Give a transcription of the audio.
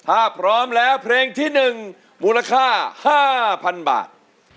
ถ้าพร้อมแล้วเพลงที่๑มูลค่า๕๐๐๐บาท